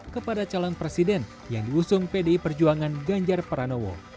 kepada calon presiden yang diusung pdi perjuangan ganjar pranowo